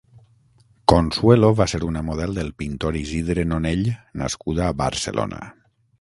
Consuelo va ser una model del pintor Isidre Nonell nascuda a Barcelona.